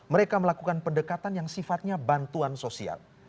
mereka melakukan pendekatan yang sifatnya bantuan sosial